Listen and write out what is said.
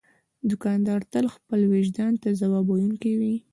دوکاندار تل خپل وجدان ته ځواب ویونکی وي.